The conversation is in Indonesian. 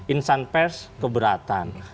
insan pers keberatan